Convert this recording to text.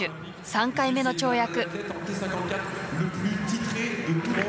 ３回目の跳躍。